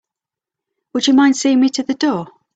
Would you mind seeing me to the door?